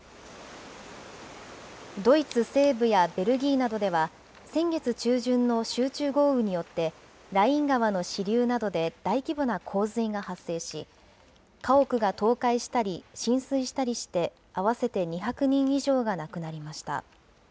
ドイツ西部やベルギーなどでは、先月中旬の集中豪雨によって、ライン川の支流などで大規模な洪水が発生し、家屋が倒壊したり浸水したりして、合わせて２００人以上が亡くなりました。